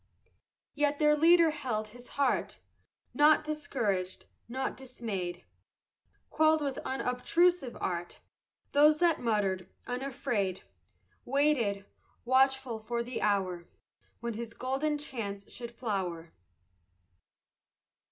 Yet their leader held his heart, Naught discouraged, naught dismayed; Quelled with unobtrusive art Those that muttered; unafraid Waited, watchful, for the hour When his golden chance should flower.